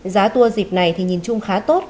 giá tour dịp này thì nhìn chung khá tốt